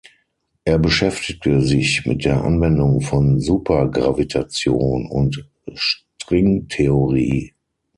Er beschäftigte sich mit der Anwendung von Supergravitation und Stringtheorie.